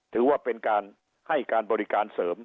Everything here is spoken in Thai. ถือว่าให้การบริการเสริม